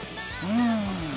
うん。